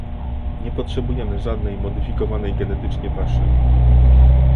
Nie potrzebujemy żadnej modyfikowanej genetycznie paszy